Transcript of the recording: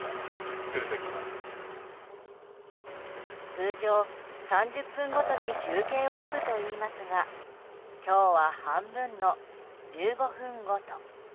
通常３０分ごとに休憩をとるといいますが今日は、半分の１５分ごと。